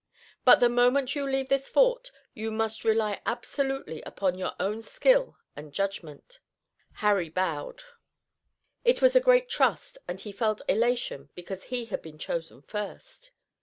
But the moment you leave this fort you must rely absolutely upon your own skill and judgment." Harry bowed. It was a great trust and he felt elation because he had been chosen first.